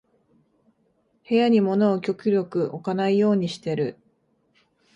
部屋に物を極力置かないようにしてる